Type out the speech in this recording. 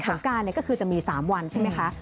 งการก็คือจะมี๓วันใช่ไหมคะ